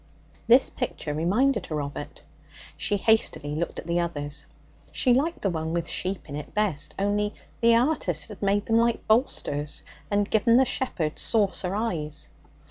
This picture reminded her of it. She hastily looked at the others. She liked the one with sheep in it best, only the artist had made them like bolsters, and given the shepherd saucer eyes.